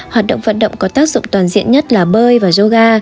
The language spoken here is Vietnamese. hoạt động vận động có tác dụng toàn diện nhất là bơi và yoga